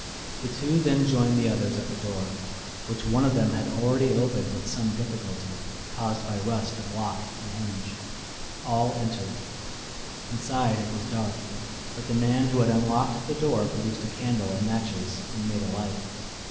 The two then joined the others at the door, which one of them had already opened with some difficulty, caused by rust of lock and hinge. All entered. Inside it was dark, but the man who had unlocked the door produced a candle and matches and made a light.